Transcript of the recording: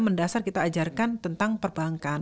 mendasar kita ajarkan tentang perbankan